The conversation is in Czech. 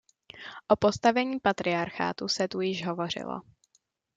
O postavení patriarchátu se tu již hovořilo.